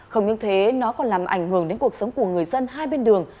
không những thế nó còn làm ảnh hưởng đến cuộc sống của người dân hai bên đường